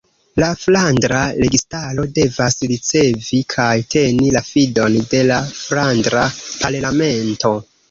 La Flandra Registaro devas ricevi kaj teni la fidon de la Flandra Parlamento.